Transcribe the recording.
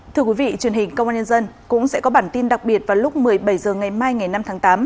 thưa quý vị truyền hình công an nhân dân cũng sẽ có bản tin đặc biệt vào lúc một mươi bảy h ngày mai ngày năm tháng tám